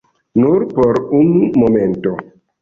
Nur por unu momento.